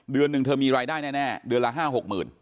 เดือนหนึ่งเธอมีรายได้แน่เดือนละ๕๖๐๐๐